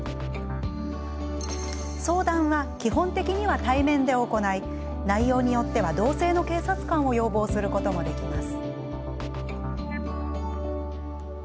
相談は基本的には対面で行い内容によっては同性の警察官を要望することもできます。